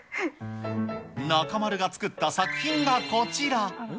中丸が作った作品がこちら。